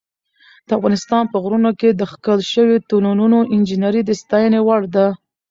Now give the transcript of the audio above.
د افغانستان په غرونو کې د کښل شویو تونلونو انجینري د ستاینې وړ ده.